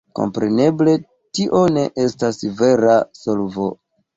Kompreneble tio ne estas vera solvo.